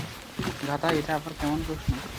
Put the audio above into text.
গাধা, এটা আবার কেমন প্রশ্ন?